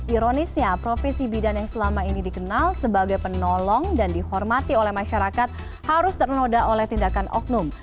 ironisnya profesi bidan yang selama ini dikenal sebagai penolong dan dihormati oleh masyarakat harus ternoda oleh tindakan oknum